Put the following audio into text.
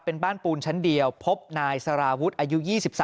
เป็นบ้านปูนชั้นเดียวพบนายสารวุฒิอายุ๒๓